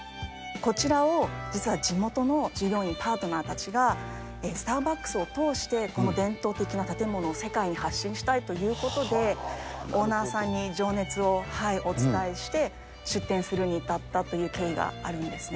こちらを実は地元の従業員、パートナーたちが、スターバックスを通して、この伝統的な建物を世界に発信したいということで、オーナーさんに情熱をお伝えして、出店するに至ったという経緯があるんですね。